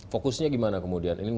fokusnya gimana kemudian